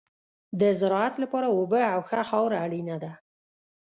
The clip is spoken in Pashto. د زراعت لپاره اوبه او ښه خاوره اړینه ده.